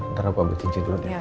ntar aku ambil cincin dulu ya udah